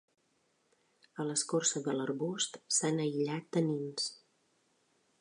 A l'escorça de l'arbust s'han aïllat tanins.